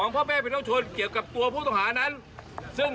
ไปดูจริง